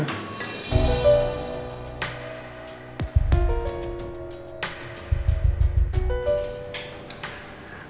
ibu aku mau pergi ke rumah